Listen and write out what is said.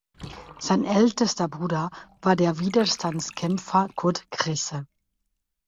Sein ältester Bruder war der Widerstandskämpfer Kurt Kresse.